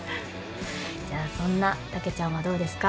じゃあそんなたけちゃんはどうですか？